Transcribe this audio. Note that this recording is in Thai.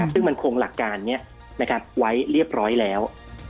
ซึ่งมันคงหลักการนี้ไว้เรียบร้อยแล้ว